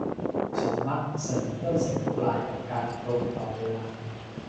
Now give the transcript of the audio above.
ฉันมักเสมอต้นเสมอปลายกับการตรงต่อเวลา